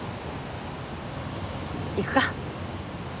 行くか。